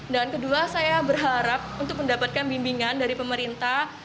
dan kedua saya berharap untuk mendapatkan bimbingan dari pemerintah